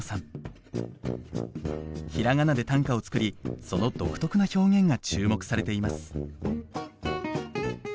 ひらがなで短歌を作りその独特な表現が注目されています。